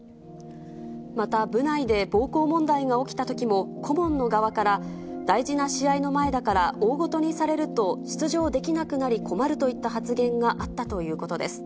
また部内で暴行問題が起きたときも、顧問の側から、大事な試合の前だから、大ごとにされると出場できなくなり困るといった発言があったということです。